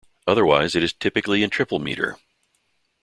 Otherwise it is typically in triple meter.